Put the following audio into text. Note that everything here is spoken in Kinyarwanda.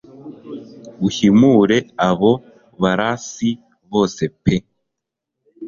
uhimure abo barasi bose pe